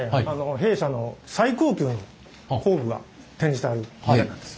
弊社の最高級の工具が展示されてる部屋なんです。